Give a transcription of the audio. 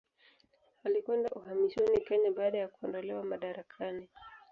Alikwenda uhamishoni Kenya baada ya kuondolewa madarakani.